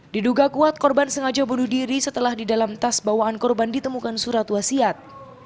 diduga kuat korban sengaja bunuh diri setelah di dalam tas bawaan korban ditemukan surat wasiat